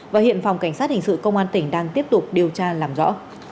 và hiện phòng cảnh sát hình sự công an tỉnh đang tiếp tục điều tra làm rõ